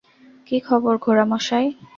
কী খবর, ঘোড়ামশাই?